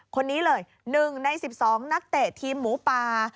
คนนี้เลย๑ใน๑๒นักเตะทีมหมูป่า